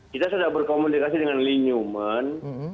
kita sudah berkomunikasi dengan lin newman